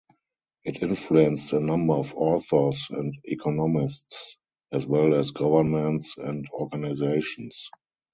It influenced a number of authors and economists, as well as governments and organizations.